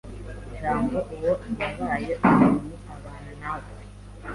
Jambo uwo yabaye umuntu, abana natwe,